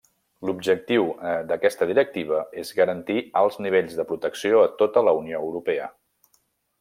L'objectiu d'aquesta directiva és garantir alts nivells de protecció a tota la Unió Europea.